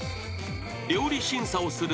［料理審査をする